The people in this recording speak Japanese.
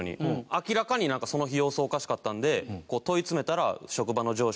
明らかになんかその日様子おかしかったんでこう問い詰めたら。